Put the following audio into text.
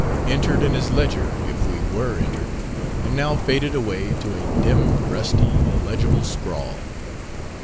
Entered in his ledger if we were entered and now faded away to a dim, rusty, illegible scrawl...."